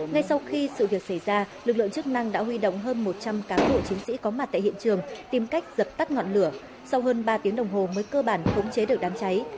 ngay sau khi sự việc xảy ra lực lượng chức năng đã huy động hơn một trăm linh cá cụ chính sĩ có mặt tại hiện trường tìm cách giật tắt ngọn lửa sau hơn ba tiếng đồng hồ mới cơ bản thống chế được đám cháy